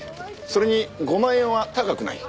それに５万円は高くない。